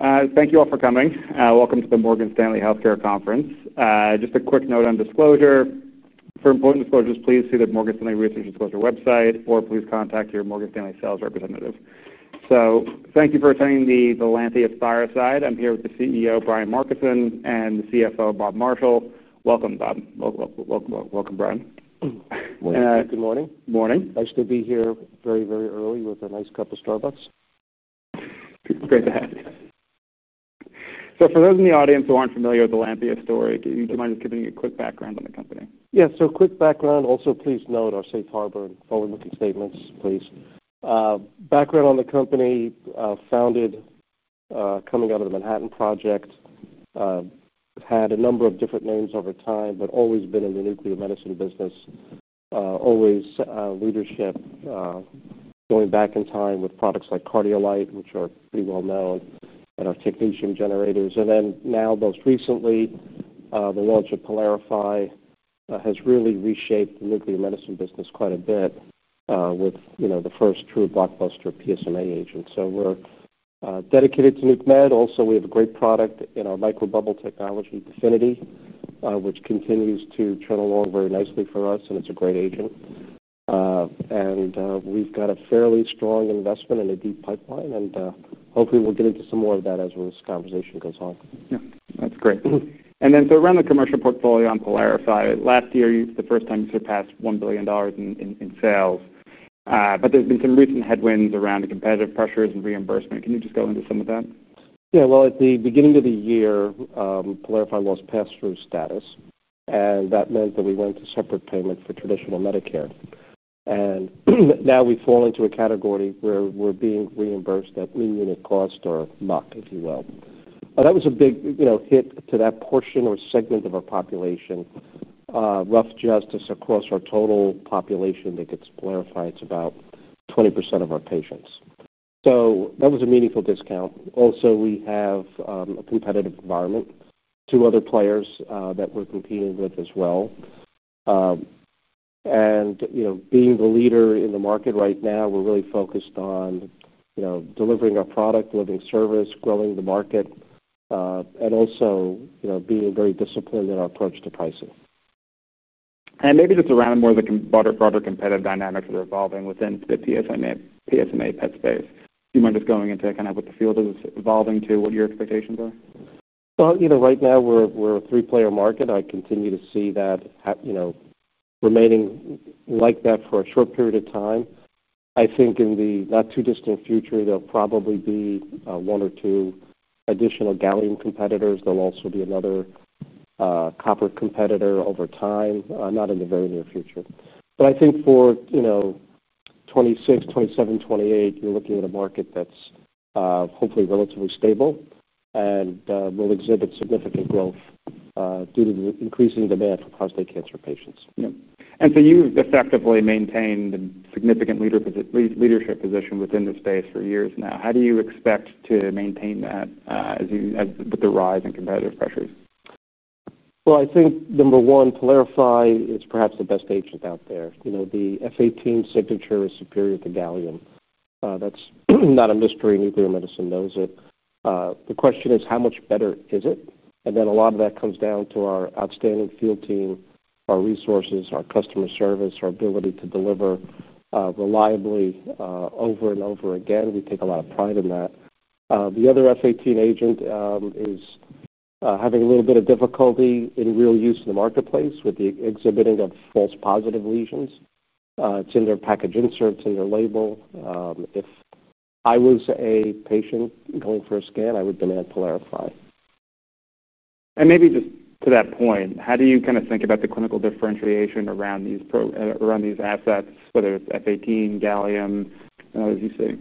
Thank you all for coming. Welcome to the Morgan Stanley Healthcare Conference. Just a quick note on disclosure. For important disclosures, please see the Morgan Stanley Research Disclosure website or please contact your Morgan Stanley sales representative. Thank you for attending the Lantheus fireside. I'm here with the CEO, Brian Markison, and the CFO, Bob Marshall. Welcome, Bob. Welcome, Brian. Morning. Morning. Nice to be here very, very early with a nice cup of Starbucks. Great to have you. For those in the audience who aren't familiar with the Lantheus story, do you mind just giving me a quick background on the company? Yeah, so a quick background. Also, please note our safe harbor and forward-looking statements, please. Background on the company, founded, coming out of the Manhattan Project. Had a number of different names over time, but always been in the nuclear medicine business. Always, leadership, going back in time with products like Cardiolite, which are pretty well known, and our technetium generators. Now, most recently, the launch of PYLARIFY® has really reshaped the nuclear medicine business quite a bit, with the first true blockbuster PSMA agent. We're dedicated to nuke med. Also, we have a great product in our microbubble technology, DEFINITY®, which continues to churn along very nicely for us, and it's a great agent. We've got a fairly strong investment in a deep pipeline, and hopefully, we'll get into some more of that as this conversation goes on. Yeah, that's great. Around the commercial portfolio on PYLARIFY®, last year was the first time you surpassed $1 billion in sales, but there's been some recent headwinds around the competitive pressures and reimbursement. Can you just go into some of that? Yeah, at the beginning of the year, PYLARIFY® lost pass-through status. That meant that we went to separate payment for traditional Medicare, and now we fall into a category where we're being reimbursed at mean unit cost, or MOC, if you will. That was a big hit to that portion or segment of our population. Rough justice across our total population, they did PYLARIFY®, it's about 20% of our patients, so that was a meaningful discount. Also, we have a competitive environment, two other players that we're competing with as well. You know, being the leader in the market right now, we're really focused on delivering our product, delivering service, growing the market, and also being very disciplined in our approach to pricing. Maybe just around more of the broader competitive dynamics that are evolving within the PSMA PET space, do you mind just going into kind of what the field is evolving to, what your expectations are? Right now we're a three-player market. I continue to see that remaining like that for a short period of time. I think in the not-too-distant future, there'll probably be one or two additional gallium competitors. There'll also be another copper competitor over time, not in the very near future. I think for 2026, 2027, 2028, you're looking at a market that's hopefully relatively stable and will exhibit significant growth due to the increasing demand for prostate cancer patients. You have effectively maintained a significant leadership position within the space for years now. How do you expect to maintain that as you, with the rise in competitive pressures? I think number one, PYLARIFY® is perhaps the best agent out there. You know, the F-18 signature is superior to gallium. That's not a mystery. Nuclear medicine knows it. The question is how much better is it? A lot of that comes down to our outstanding field team, our resources, our customer service, our ability to deliver reliably, over and over again. We take a lot of pride in that. The other F-18 agent is having a little bit of difficulty in real use in the marketplace with the exhibiting of false positive lesions, it's in their package inserts, in their label. If I was a patient going for a scan, I would have been at PYLARIFY®. Maybe just to that point, how do you kind of think about the clinical differentiation around these assets, whether it's F-18, gallium, and others you see?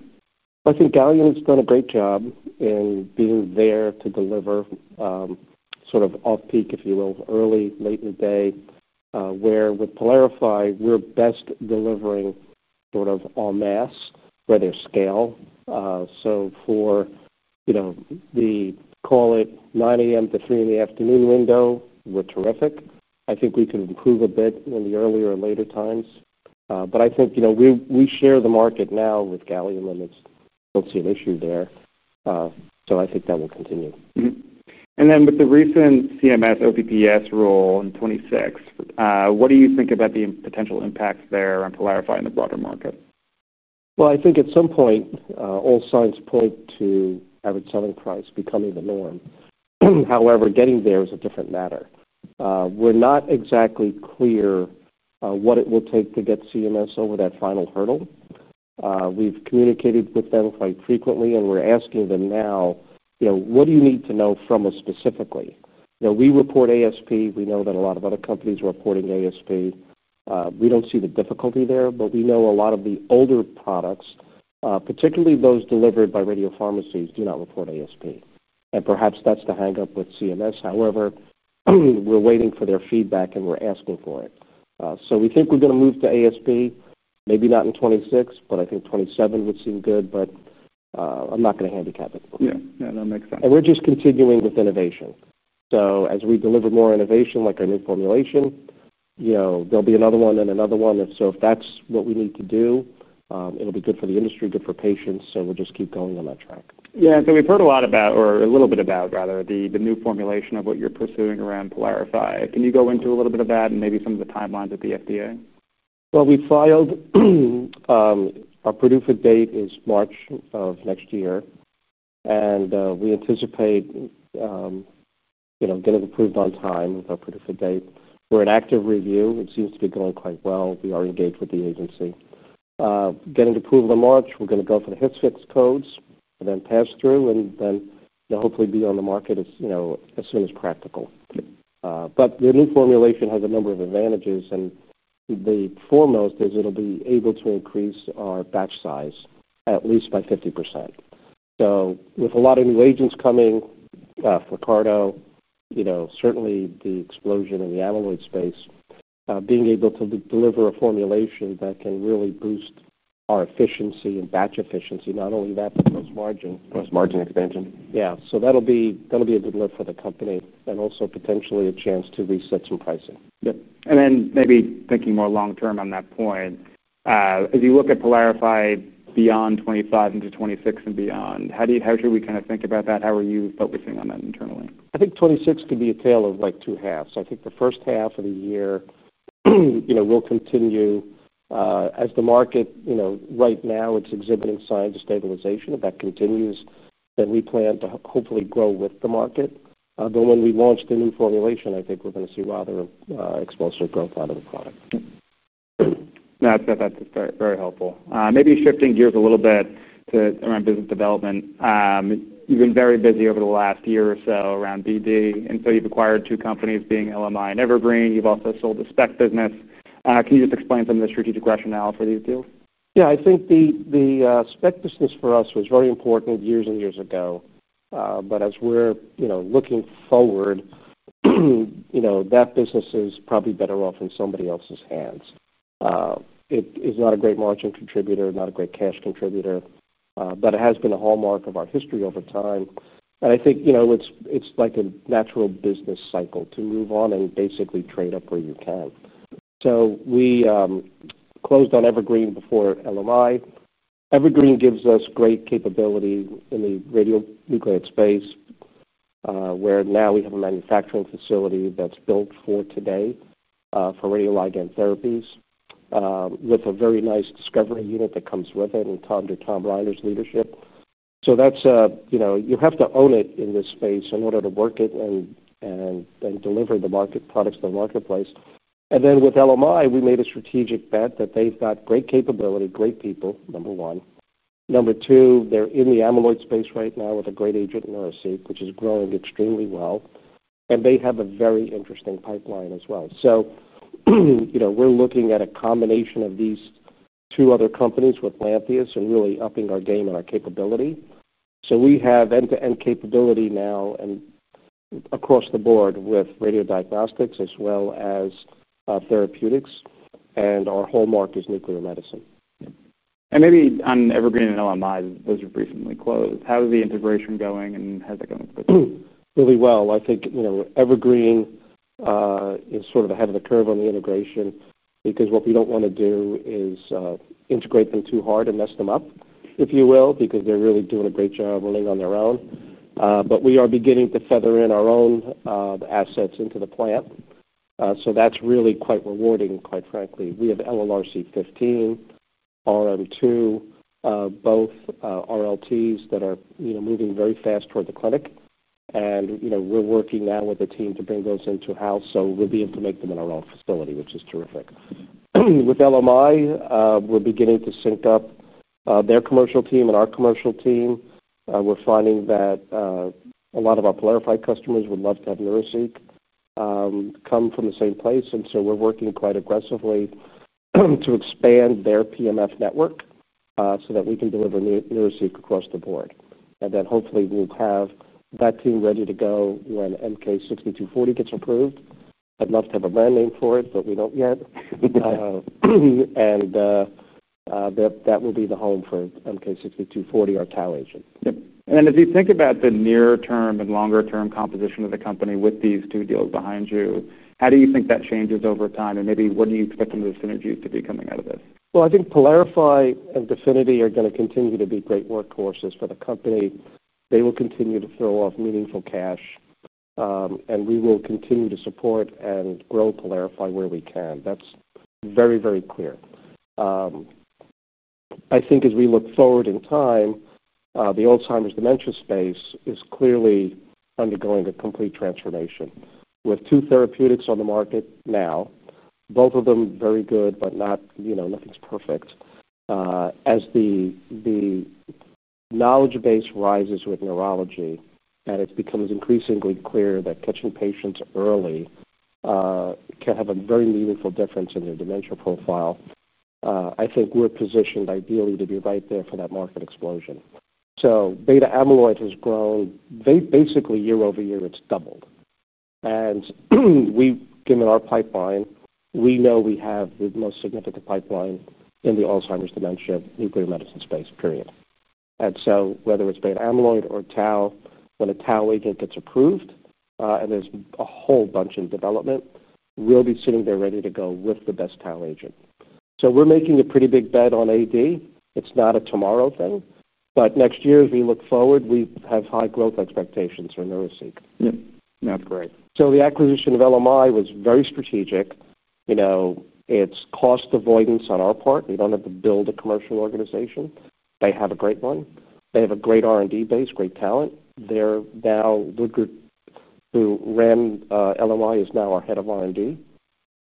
I think gallium has done a great job in being there to deliver, sort of off-peak, if you will, early, late in the day, where with PYLARIFY®, we're best delivering sort of en masse, where there's scale. For, you know, the call it 9:00 A.M. to 3:00 P.M. window, we're terrific. I think we can improve a bit in the earlier or later times. I think, you know, we share the market now with gallium and I don't see an issue there. I think that will continue. Mm-hmm. With the recent CMS OPPS rule in 2026, what do you think about the potential impacts there on PYLARIFY® in the broader market? I think at some point, all signs point to average selling price becoming the norm. However, getting there is a different matter. We're not exactly clear what it will take to get CMS over that final hurdle. We've communicated with them quite frequently, and we're asking them now, you know, what do you need to know from us specifically? You know, we report ASP. We know that a lot of other companies are reporting ASP. We don't see the difficulty there, but we know a lot of the older products, particularly those delivered by radiopharmacies, do not report ASP. Perhaps that's the hang-up with CMS. However, we're waiting for their feedback and we're asking for it. We think we're going to move to ASP, maybe not in 2026, but I think 2027 would seem good. I'm not going to handicap it. Yeah, no, that makes sense. We are just continuing with innovation. As we deliver more innovation, like our new formulation, there will be another one and another one. If that is what we need to do, it will be good for the industry, good for patients, and we will just keep going on that track. Yeah. We've heard a little bit about the new formulation of what you're pursuing around PYLARIFY®. Can you go into a little bit of that and maybe some of the timelines at the FDA? We filed, our proof of date is March of next year. We anticipate, you know, getting it approved on time with our proof of date. We're in active review. It seems to be going quite well. We are engaged with the agency. Getting approved in March, we're going to go for the HITS-FITS codes and then pass through and then, you know, hopefully be on the market as soon as practical. The new formulation has a number of advantages. The foremost is it'll be able to increase our batch size at least by 50%. With a lot of new agents coming, Flecaro, you know, certainly the explosion in the amyloid space, being able to deliver a formulation that can really boost our efficiency and batch efficiency, not only that, but cross-margin. Cross-margin expansion. Yeah, that'll be a good lift for the company and also potentially a chance to reset some pricing. Yep. Maybe thinking more long-term on that point, as you look at PYLARIFY® beyond 2025 into 2026 and beyond, how do you, how should we kind of think about that? How are you focusing on that internally? I think 2026 could be a tale of like two halves. I think the first half of the year, we'll continue, as the market right now, it's exhibiting signs of stabilization. If that continues, then we plan to hopefully grow with the market. When we launch the new formulation, I think we're going to see rather explosive growth out of the product. No, that's very, very helpful. Maybe shifting gears a little bit to around business development. You've been very busy over the last year or so around BD, and you've acquired two companies, being LMI and Evergreen. You've also sold the SPECT business. Can you just explain some of the strategic rationale for these deals? Yeah, I think the spec business for us was very important years and years ago, but as we're looking forward, that business is probably better off in somebody else's hands. It is not a great margin contributor, not a great cash contributor, but it has been a hallmark of our history over time. I think it's like a natural business cycle to move on and basically trade up where you can. We closed on Evergreen before LMI. Evergreen gives us great capability in the radionuclide space, where now we have a manufacturing facility that's built for today, for radioligand therapies, with a very nice discovery unit that comes with it and Tom Reiner's leadership. You have to own it in this space in order to work it and then deliver the products to the marketplace. With LMI, we made a strategic bet that they've got great capability, great people, number one. Number two, they're in the amyloid space right now with a great agent, NeuroCeq™, which is growing extremely well. They have a very interesting pipeline as well. We're looking at a combination of these two other companies with Lantheus and really upping our game and our capability. We have end-to-end capability now and across the board with radiodiagnostics as well as therapeutics. Our hallmark is nuclear medicine. Maybe on Evergreen Theragnostics and LMI, those have recently closed. How is the integration going and how's it going with this? Really well. I think, you know, Evergreen is sort of ahead of the curve on the integration because what we don't want to do is integrate them too hard and mess them up, if you will, because they're really doing a great job running on their own. We are beginning to feather in our own assets into the plant. That's really quite rewarding, quite frankly. We have LLRC-15, RM2, both RLTs that are, you know, moving very fast toward the clinic. We're working now with the team to bring those into-house, so we'll be able to make them in our own facility, which is terrific. I mean, with LMI, we're beginning to sync up their commercial team and our commercial team. We're finding that a lot of our PYLARIFY® customers would love to have NeuroCeq™ come from the same place. We're working quite aggressively to expand their PMF network, so that we can deliver NeuroCeq™ across the board. Hopefully, we'll have that team ready to go when MK6240 gets approved. I'd love to have a brand name for it, but we don't yet. That will be the home for MK6240 or TAL agent. Yep. As you think about the near-term and longer-term composition of the company with these two deals behind you, how do you think that changes over time? What do you expect some of the synergies to be coming out of it? I think PYLARIFY® and DEFINITY® are going to continue to be great workhorses for the company. They will continue to throw off meaningful cash, and we will continue to support and grow PYLARIFY® where we can. That's very, very clear. I think as we look forward in time, the Alzheimer's dementia space is clearly undergoing a complete transformation with two therapeutics on the market now. Both of them very good, but not, you know, nothing's perfect. As the knowledge base rises with neurology and it becomes increasingly clear that catching patients early can have a very meaningful difference in your dementia profile, I think we're positioned ideally to be right there for that market explosion. Beta amyloid has grown, basically year over year, it's doubled. Given our pipeline, we know we have the most significant pipeline in the Alzheimer's dementia nuclear medicine space, period. Whether it's beta amyloid or TAL, when a TAL agent gets approved, and there's a whole bunch in development, we'll be sitting there ready to go with the best TAL agent. We're making a pretty big bet on AD. It's not a tomorrow thing, but next year, as we look forward, we have high growth expectations for NeuroCeq™. Yep, that's great. The acquisition of LMI was very strategic. It's cost avoidance on our part. We don't have to build a commercial organization. They have a great one. They have a great R&D base, great talent. Woodgard, who ran LMI, is now our Head of R&D,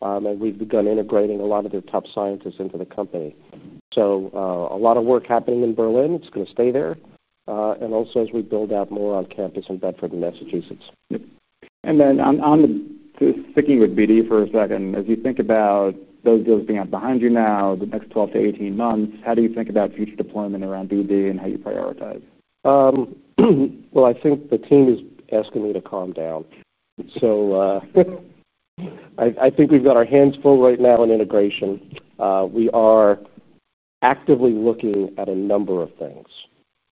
and we've begun integrating a lot of the top scientists into the company. A lot of work is happening in Berlin. It's going to stay there, and also as we build out more on campus in Bedford and Massachusetts. Yep. On the, just sticking with BD for a second, as you think about those deals being up behind you now, the next 12 to 18 months, how do you think about future deployment around BD and how you prioritize? I think the team is asking me to calm down. I think we've got our hands full right now in integration. We are actively looking at a number of things.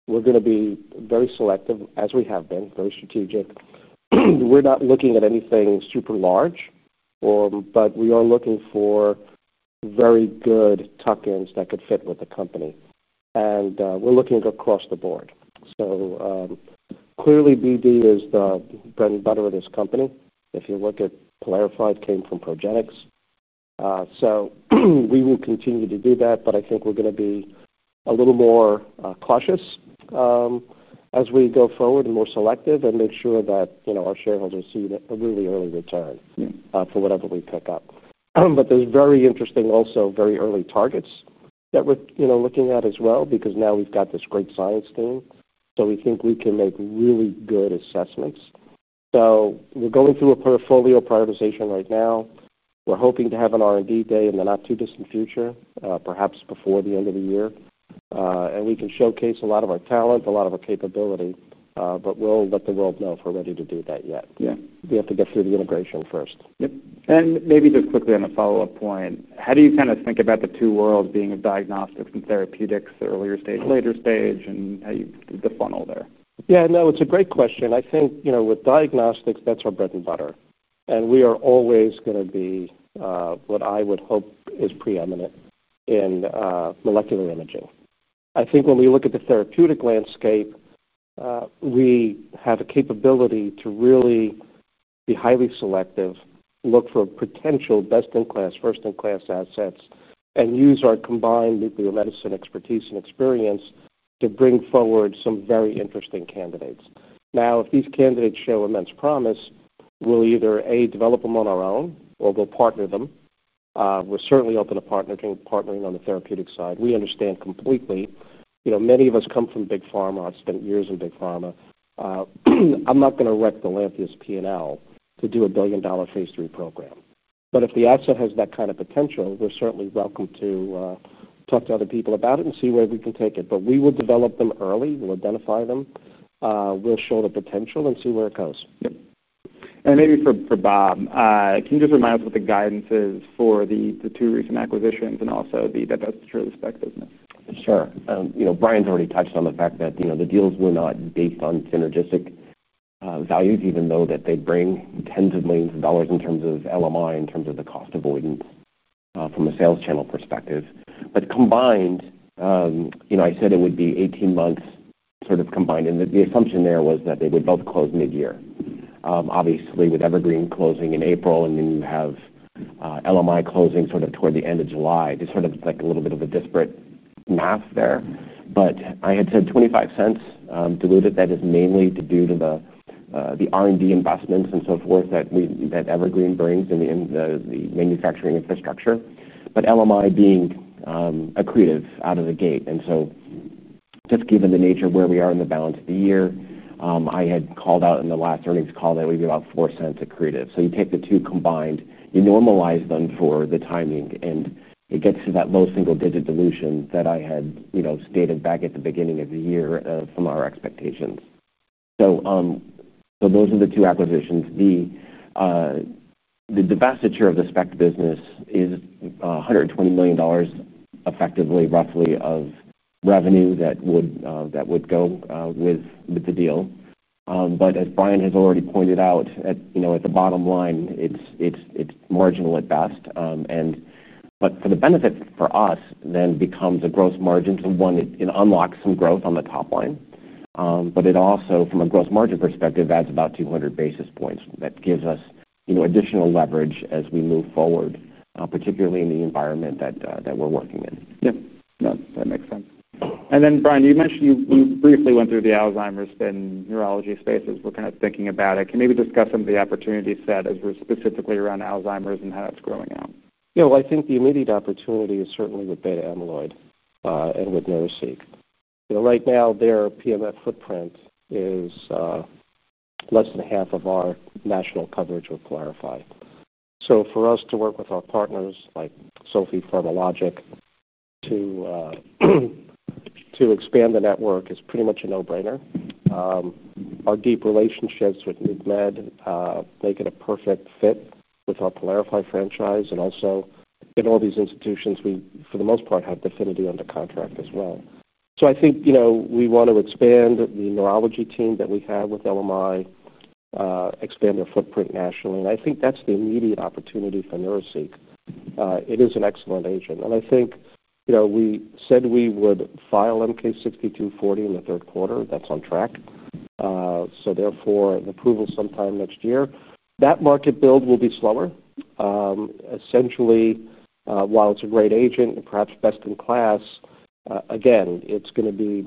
We're going to be very selective, as we have been, very strategic. We're not looking at anything super large, but we are looking for very good tuck-ins that could fit with the company. We're looking across the board. Clearly, BD is the bread and butter of this company. If you look at PYLARIFY®, it came from Progenyx. We will continue to do that, but I think we're going to be a little more cautious as we go forward and more selective and make sure that our shareholders see a really early return for whatever we pick up. There's very interesting also very early targets that we're looking at as well because now we've got this great science team. We think we can make really good assessments. We're going through a portfolio prioritization right now. We're hoping to have an R&D day in the not-too-distant future, perhaps before the end of the year, and we can showcase a lot of our talent, a lot of our capability, but we'll let the world know if we're ready to do that yet. Yeah. We have to get through the integration first. Yep. Maybe just quickly on a follow-up point, how do you kind of think about the two worlds, being diagnostics and therapeutics, the earlier stage, later stage, and how you did the funnel there? Yeah, no, it's a great question. I think, you know, with diagnostics, that's our bread and butter. We are always going to be, what I would hope is preeminent in molecular imaging. I think when we look at the therapeutic landscape, we have a capability to really be highly selective, look for potential best-in-class, first-in-class assets, and use our combined nuclear medicine expertise and experience to bring forward some very interesting candidates. Now, if these candidates show immense promise, we'll either, A, develop them on our own, or we'll partner them. We're certainly open to partnering on the therapeutic side. We understand completely, you know, many of us come from big pharma. I've spent years in big pharma. I'm not going to wreck the Lantheus P&L to do a billion-dollar phase three program. If the asset has that kind of potential, we're certainly welcome to talk to other people about it and see where we can take it. We will develop them early. We'll identify them, we'll show the potential and see where it goes. Yep. Maybe for Bob, can you just remind us what the guidance is for the two recent acquisitions and also that truly spec business? Sure. Brian's already touched on the fact that the deals were not based on synergistic values, even though they bring tens of millions of dollars in terms of LMI, in terms of the cost avoidance from a sales channel perspective. Combined, I said it would be 18 months combined. The assumption there was that they would both close mid-year. Obviously, with Evergreen closing in April, and then you have LMI closing toward the end of July, just a little bit of a disparate math there. I had said $0.25 diluted. That is mainly due to the R&D investments and so forth that Evergreen brings in the manufacturing infrastructure, but LMI being accretive out of the gate. Just given the nature of where we are in the balance of the year, I had called out in the last earnings call that it would be about $0.04 accretive. You take the two combined, you normalize them for the timing, and it gets to that low single-digit dilution that I had stated back at the beginning of the year from our expectations. Those are the two acquisitions. The vestige of the spec business is $120 million effectively, roughly, of revenue that would go with the deal. As Brian has already pointed out, at the bottom line, it's marginal at best. For the benefits for us, then it becomes a gross margin. One, it unlocks some growth on the top line. It also, from a gross margin perspective, adds about 200 basis points. That gives us additional leverage as we move forward, particularly in the environment that we're working in. Yep. No, that makes sense. Brian, you mentioned you briefly went through the Alzheimer's and neurology space. We're kind of thinking about it. Can you maybe discuss some of the opportunities that are specifically around Alzheimer's and how it's growing out? Yeah, I think the immediate opportunity is certainly with beta amyloid, and with NeuroCeq. Right now, their PMF footprint is less than half of our national coverage with PYLARIFY®. For us to work with our partners like Sofie Pharmalogic to expand the network is pretty much a no-brainer. Our deep relationships with NCMED make it a perfect fit with our PYLARIFY® franchise. Also, in all these institutions, we, for the most part, have DEFINITY® under contract as well. I think we want to expand the neurology team that we have with LMI, expand their footprint nationally. I think that's the immediate opportunity for NeuroCeq. It is an excellent agent. I think we said we would file MK6240 in the third quarter. That's on track, therefore, the approval sometime next year. That market build will be slower. Essentially, while it's a great agent and perhaps best in class, it's going to be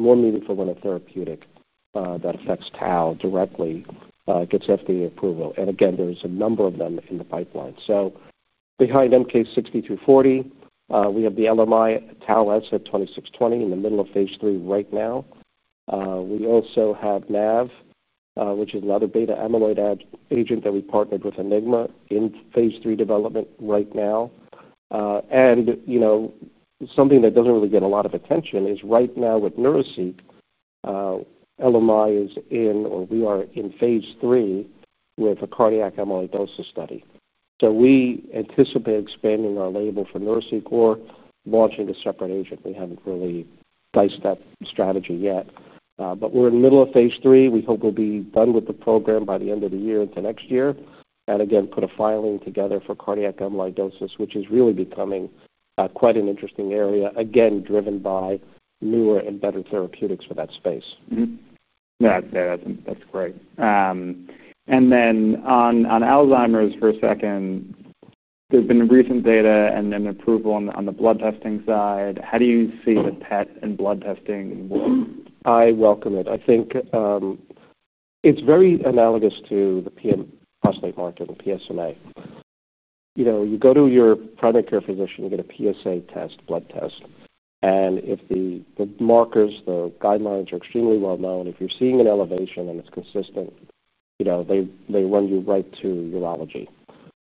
more meaningful when a therapeutic that affects TAL directly gets FDA approval. There are a number of them in the pipeline. Behind MK6240, we have the LMI TAL asset 2620 in the middle of phase three right now. We also have NAV, which is another beta amyloid agent that we partnered with Enigma in phase three development right now. Something that doesn't really get a lot of attention is right now with NeuroCeq, LMI is in, or we are in phase three with a cardiac amyloidosis study. We anticipate expanding our label for NeuroCeq or launching a separate agent. We haven't really diced that strategy yet, but we're in the middle of phase three. We hope we'll be done with the program by the end of the year to next year. Again, put a filing together for cardiac amyloidosis, which is really becoming quite an interesting area, driven by newer and better therapeutics for that space. Mm-hmm. Yeah, that's great. On Alzheimer's for a second, there's been recent data and then approval on the blood testing side. How do you see the PET and blood testing? I welcome it. I think it's very analogous to the prostate market and PSMA. You go to your primary care physician, you get a PSA test, blood test, and if the markers, the guidelines are extremely well known, if you're seeing an elevation and it's consistent, they run you right to urology.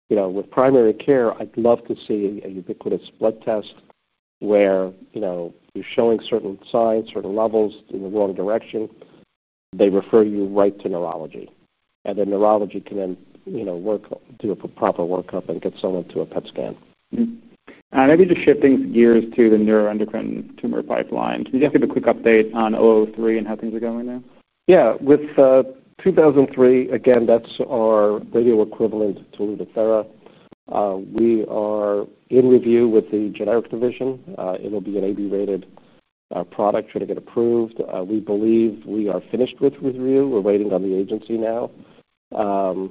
With primary care, I'd love to see a ubiquitous blood test where you're showing certain signs, certain levels in the wrong direction, they refer you right to neurology. Neurology can then work, do a proper workup, and get someone to a PET scan. Yeah, maybe just shifting gears to the neuroendocrine tumor pipeline. Can you just give a quick update on Octavi and how things are going right now? Yeah, with 2003, again, that's our radio equivalent to Lutathera. We are in review with the generic division. It'll be an AB-rated product, trying to get approved. We believe we are finished with review. We're waiting on the agency now, and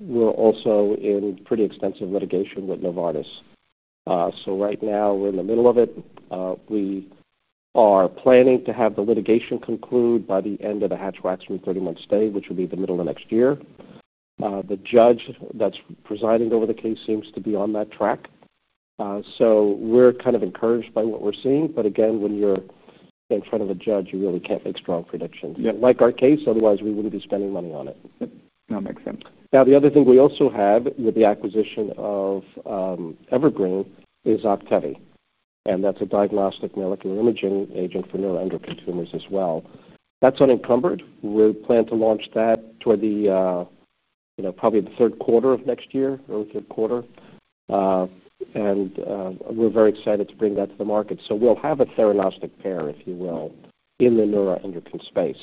we're also in pretty extensive litigation with Novartis. Right now, we're in the middle of it. We are planning to have the litigation conclude by the end of the Hatch-Waxman 30-month stay, which would be the middle of next year. The judge that's presiding over the case seems to be on that track. We're kind of encouraged by what we're seeing. When you're in front of a judge, you really can't make strong predictions. You don't like our case, otherwise, we wouldn't be spending money on it. That makes sense. Now, the other thing we also have with the acquisition of Evergreen Theragnostics is Octavi. That's a diagnostic molecular imaging agent for neuroendocrine tumors as well. That's unencumbered. We plan to launch that toward the, you know, probably the third quarter of next year, early third quarter, and we're very excited to bring that to the market. We'll have a theranostic pair, if you will, in the neuroendocrine space.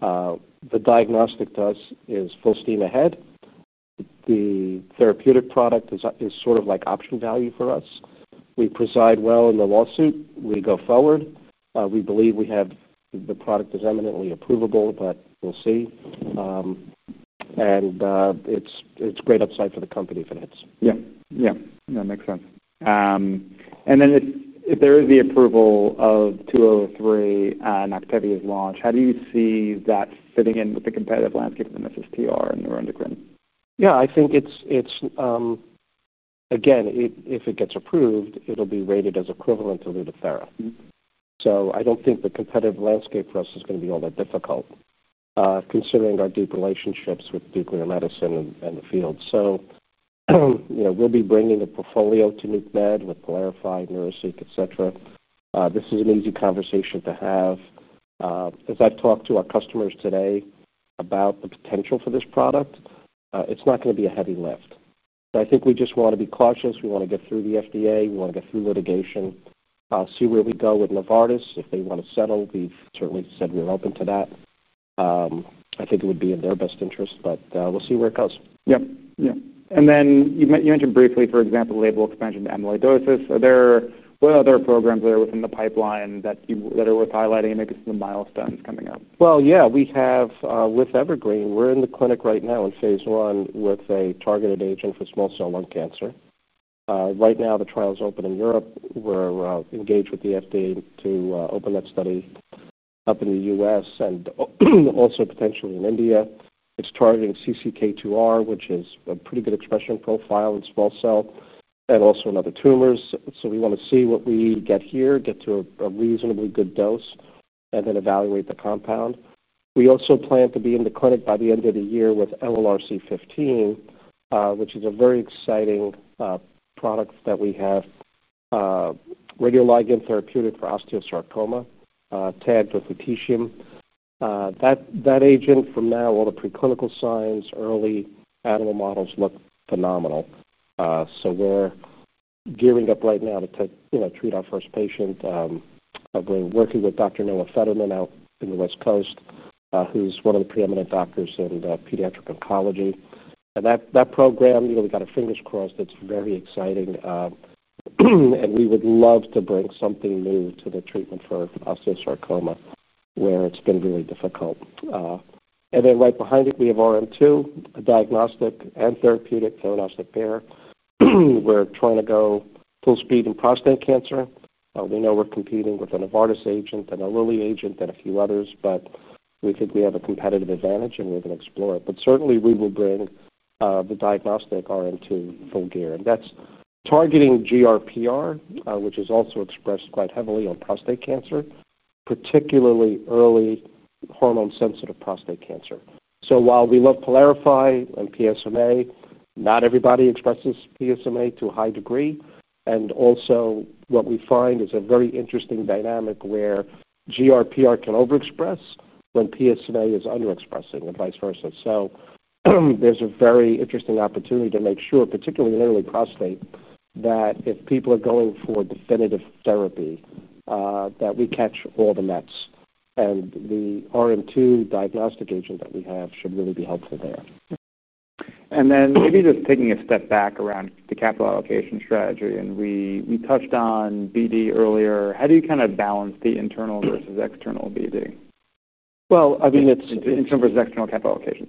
The diagnostic to us is full steam ahead. The therapeutic product is sort of like option value for us. We preside well in the lawsuit. We go forward. We believe we have the product is eminently approvable, but we'll see, and it's great upside for the company if it hits. Yeah. That makes sense. If there is the approval of 203 and Octavi's launch, how do you see that fitting in with the competitive landscape in the STR and neuroendocrine? Yeah, I think it's, it's, again, if it gets approved, it'll be rated as equivalent to Lutathera. I don't think the competitive landscape for us is going to be all that difficult, considering our deep relationships with nuclear medicine and the field. We'll be bringing the portfolio to NCMED with PYLARIFY®, NeuroCeq™, etc. This is an easy conversation to have. As I've talked to our customers today about the potential for this product, it's not going to be a heavy lift. I think we just want to be cautious. We want to get through the FDA. We want to get through litigation, see where we go with Novartis. If they want to settle, we've certainly said we're open to that. I think it would be in their best interest, but we'll see where it goes. Yeah. You mentioned briefly, for example, label expansion to amyloidosis. Are there what other programs that are within the pipeline that are worth highlighting? Maybe some of the milestones coming up. We have, with Evergreen, we're in the clinic right now in phase one with a targeted agent for small cell lung cancer. Right now, the trial is open in Europe. We're engaged with the FDA to open that study up in the U.S. and also potentially in India. It's targeting CCK2R, which has a pretty good expression profile in small cell and also in other tumors. We want to see what we get here, get to a reasonably good dose, and then evaluate the compound. We also plan to be in the clinic by the end of the year with LLRC-15, which is a very exciting product that we have, a radioligand therapeutic for osteosarcoma, tagged with FUTISIUM. That agent, from now, all the preclinical signs, early animal models look phenomenal. We're gearing up right now to, you know, treat our first patient. We're working with Dr. Noah Fetterman out in the West Coast, who's one of the preeminent doctors in pediatric oncology. That program, you know, we got our fingers crossed. It's very exciting, and we would love to bring something new to the treatment for osteosarcoma where it's been really difficult. Right behind it, we have RM2, a diagnostic and therapeutic theranostic pair. We're trying to go full speed in prostate cancer. We know we're competing with a Novartis agent and a Lilly agent and a few others, but we think we have a competitive advantage and we're going to explore it. Certainly, we will bring the diagnostic RM2 full gear. That's targeting GRPR, which is also expressed quite heavily on prostate cancer, particularly early hormone-sensitive prostate cancer. While we love PYLARIFY® and PSMA, not everybody expresses PSMA to a high degree. Also, what we find is a very interesting dynamic where GRPR can overexpress when PSMA is underexpressing and vice versa. There's a very interesting opportunity to make sure, particularly in early prostate, that if people are going for definitive therapy, we catch all the nets. The RM2 diagnostic agent that we have should really be helpful there. Maybe just taking a step back around the capital allocation strategy, and we touched on BD earlier. How do you kind of balance the internal versus external BD? It's internal versus external capital allocation.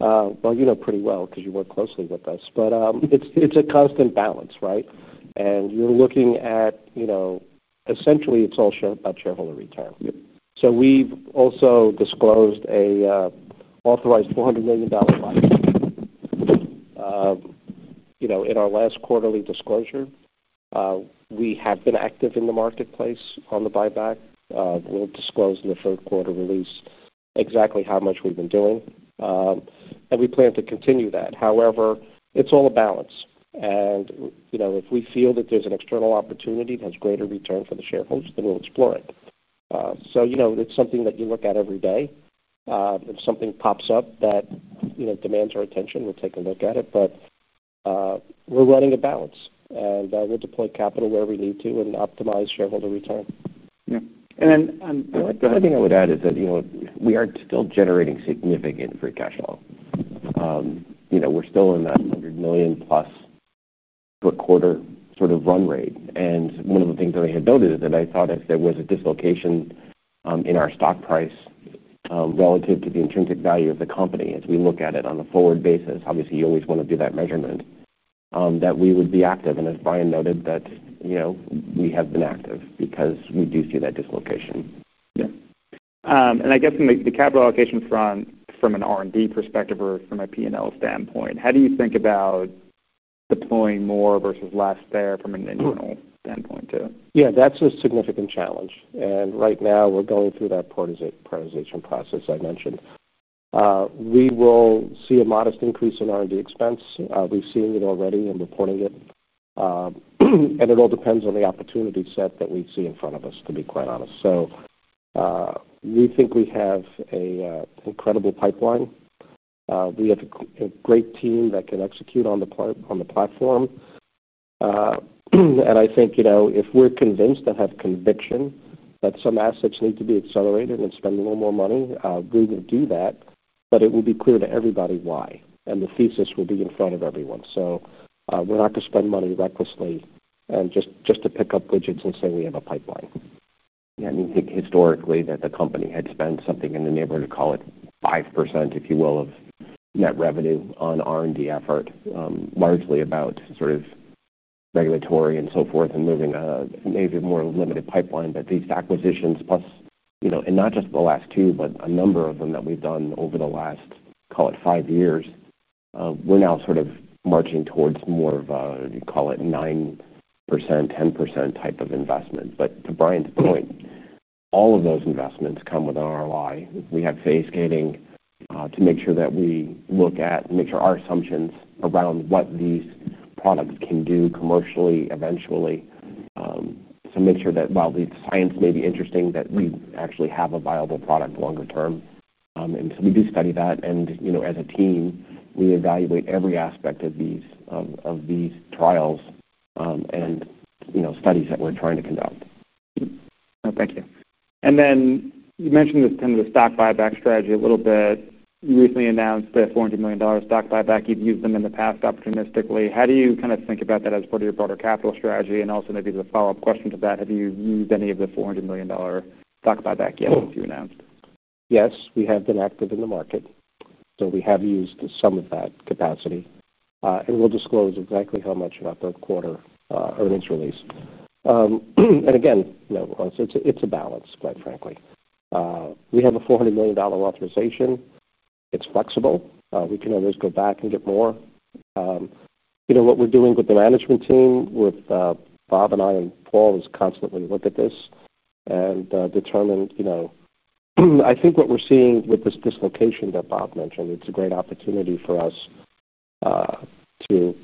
You know pretty well because you work closely with us. It's a constant balance, right? You're looking at, essentially, it's all about shareholder retirement. We've also disclosed an authorized $400 million line. In our last quarterly disclosure, we have been active in the marketplace on the buyback. We'll disclose in the third quarter release exactly how much we've been doing, and we plan to continue that. However, it's all a balance. If we feel that there's an external opportunity that has greater return for the shareholders, then we'll explore it. It's something that you look at every day. If something pops up that demands our attention, we'll take a look at it. We're running a balance, and we'll deploy capital where we need to and optimize shareholder retirement. What's the? The only thing I would add is that, you know, we are still generating significant free cash flow. You know, we're still in that $100 million plus per quarter sort of run rate. One of the things I had noted is that I thought if there was a dislocation in our stock price relative to the intrinsic value of the company, as we look at it on a forward basis, obviously, you always want to do that measurement, that we would be active. As Brian noted, you know, we have been active because we do see that dislocation. Yeah, I guess from the capital allocation front, from an R&D perspective or from a P&L standpoint, how do you think about deploying more versus less there from an internal standpoint too? Yeah, that's a significant challenge. Right now, we're going through that prioritization process I mentioned. We will see a modest increase in R&D expense. We've seen it already and reporting it. It all depends on the opportunity set that we see in front of us, to be quite honest. We think we have an incredible pipeline. We have a great team that can execute on the platform. I think, you know, if we're convinced and have conviction that some assets need to be accelerated and spend a little more money, we're going to do that. It will be clear to everybody why, and the thesis will be in front of everyone. We're not going to spend money recklessly just to pick up widgets and say we have a pipeline. Yeah, and you think historically that the company had spent something in the neighborhood of, call it, 5% if you will, of net revenue on R&D effort, largely about sort of regulatory and so forth and moving a maybe more limited pipeline. These acquisitions, plus, you know, and not just the last two, but a number of them that we've done over the last, call it, five years, we're now sort of marching towards more of a, you call it, 9%, 10% type of investment. To Brian's point, all of those investments come with an ROI. We have phase gating to make sure that we look at and make sure our assumptions around what these products can do commercially eventually. Make sure that while the science may be interesting, that we actually have a viable product longer term. We do study that. As a team, we evaluate every aspect of these trials and studies that we're trying to conduct. Thank you. You mentioned the stock buyback strategy a little bit. You recently announced a $400 million stock buyback. You've used them in the past opportunistically. How do you think about that as part of your broader capital strategy? Also, maybe the follow-up question to that, have you used any of the $400 million stock buyback yet that you announced? Yes, we have been active in the market. We have used some of that capacity, and we'll disclose exactly how much about the quarter, earnings release. Again, you know, it's a balance, quite frankly. We have a $400 million authorization. It's flexible. We can always go back and get more. You know, what we're doing with the management team, with Bob and I and Paul, is constantly look at this and determine, you know, I think what we're seeing with this dislocation that Bob mentioned, it's a great opportunity for us to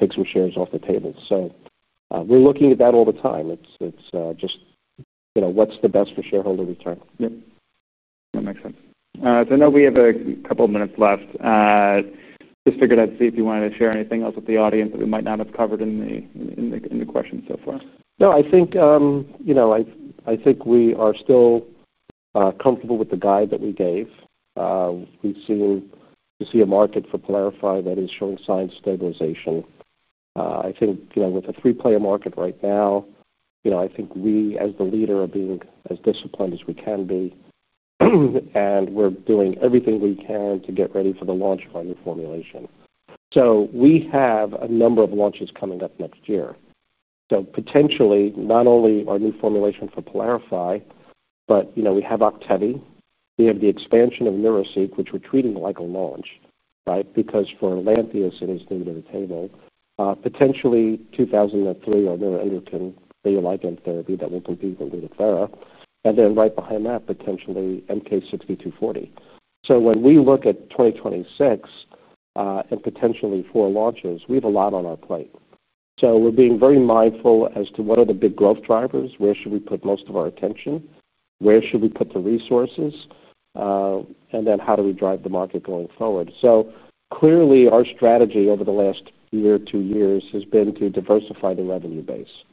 take some shares off the table. We're looking at that all the time. It's just, you know, what's the best for shareholder return? Yeah. That makes sense. I know we have a couple of minutes left. I just figured I'd see if you wanted to share anything else with the audience that we might not have covered in the questions so far. No, I think we are still comfortable with the guide that we gave. We've seen a market for PYLARIFY® that is showing signs of stabilization. I think with a three-player market right now, we, as the leader, are being as disciplined as we can be. Mm-hmm. We're doing everything we can to get ready for the launch of our new formulation. We have a number of launches coming up next year, so potentially not only our new formulation for PYLARIFY®, but we have Octavi. We have the expansion of NeuroCeq™, which we're treating like a launch, right? Because for Lantheus, it is new to the table. Potentially, 2023 for neuroendocrine radioligand therapy that will compete with Lutathera. Right behind that, potentially, MK6240. When we look at 2026 and potentially four launches, we have a lot on our plate. We're being very mindful as to what are the big growth drivers, where should we put most of our attention, where should we put the resources, and then how do we drive the market going forward? Clearly, our strategy over the last year, two years, has been to diversify the revenue base.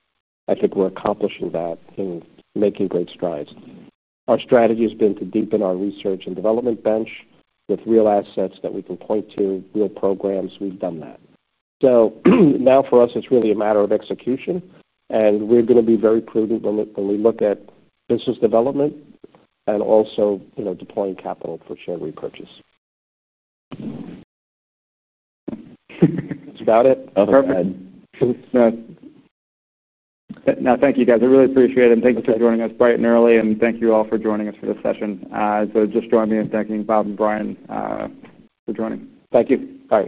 I think we're accomplishing that and making great strides. Our strategy has been to deepen our research and development bench with real assets that we can point to, real programs. We've done that. Now for us, it's really a matter of execution. We're going to be very prudent when we look at business development and also deploying capital for share repurchase. That's about it. Perfect. No, thank you, guys. I really appreciate it. Thank you for joining us bright and early. Thank you all for joining us for this session. Please join me in thanking Bob Marshall and Brian Markison for joining. Thank you. All right.